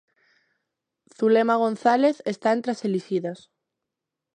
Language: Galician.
Zulema González está entre as elixidas.